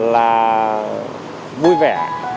là vui vẻ